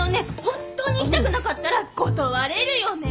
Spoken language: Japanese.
ホントに行きたくなかったら断れるよね。